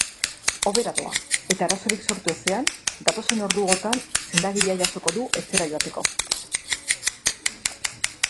Hobera doa eta arazorik sortu ezean datozen orduotan sendagiria jasoko du etxera joateko.